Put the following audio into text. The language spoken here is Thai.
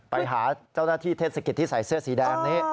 ไปหาเจ้าหน้าที่เทศกิจที่ใส่เสื้อสีแดงนี้